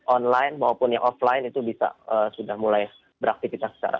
online maupun yang offline itu bisa sudah mulai beraktivitas secara